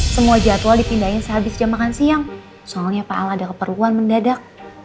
semua jadwal dipindahin sehabis jam makan siang soalnya pak al ada keperluan mendadak